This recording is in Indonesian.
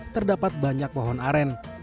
terdapat banyak pohon aren